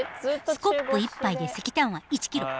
スコップ１杯で石炭は１キロ。